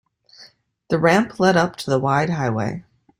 The ramp led up to the wide highway.